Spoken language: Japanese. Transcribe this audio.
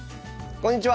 こんにちは！